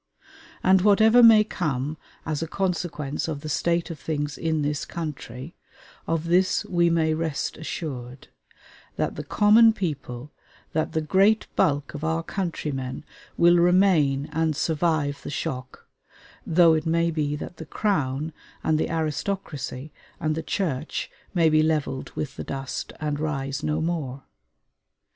And whatever may come as a consequence of the state of things in this country, of this we may rest assured: that the common people, that the great bulk of our countrymen will remain and survive the shock, though it may be that the Crown and the aristocracy and the Church may be leveled with the dust, and rise no more.